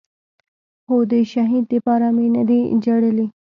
خو د شهيد دپاره مې نه دي جړلي.